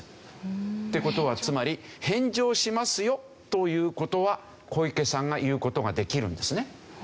って事はつまり「返上しますよ」という事は小池さんが言う事ができるんですね。